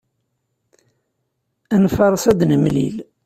Ad nfaṛes ad nemlil.